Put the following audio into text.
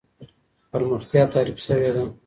پرمختيا تعريف سوې ده.